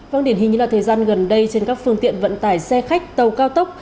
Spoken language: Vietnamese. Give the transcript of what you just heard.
vâng điển hình như là thời gian gần đây trên các phương tiện vận tải xe khách tàu cao tốc